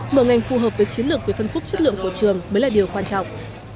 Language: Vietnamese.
mở ngành phù hợp với chiến lược về phân khúc chất lượng của trường mới là điều quan trọng